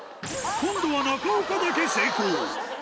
今度は中岡だけ成功。